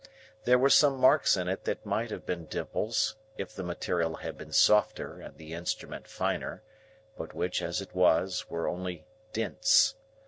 There were some marks in it that might have been dimples, if the material had been softer and the instrument finer, but which, as it was, were only dints.